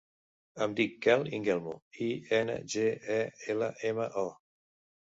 Em dic Quel Ingelmo: i, ena, ge, e, ela, ema, o.